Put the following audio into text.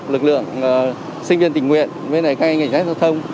lực lượng sinh viên tình nguyện bên này các anh em trái giao thông